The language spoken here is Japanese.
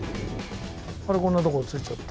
あらこんな所着いちゃった。